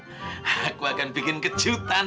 aku akan bikin kejutan